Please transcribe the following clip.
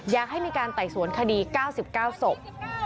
อยากให้มีการไต่สวนคดี๙๙ศพ